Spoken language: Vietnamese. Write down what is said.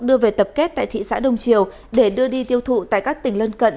đưa về tập kết tại thị xã đông triều để đưa đi tiêu thụ tại các tỉnh lân cận